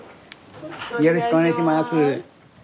よろしくお願いします。